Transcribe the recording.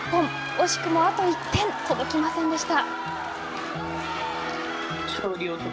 惜しくもあと１点届きませんでした。